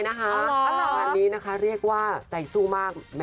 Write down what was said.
เพราะว่าขึ้นลำบากนะ